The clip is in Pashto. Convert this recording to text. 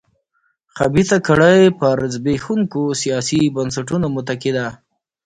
خبیثه کړۍ پر زبېښونکو سیاسي بنسټونو متکي ده.